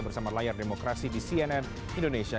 bersama layar demokrasi di cnn indonesia